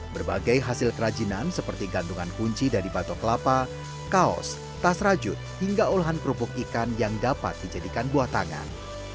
berbagai hasil kerajinan seperti gantungan kunci dari batok kelapa kaos tas rajut hingga olahan kerupuk ikan yang dapat dijadikan buah tangan